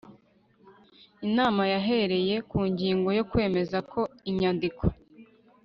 inama yahereye ku ngingo yo kwemeza ko inyandiko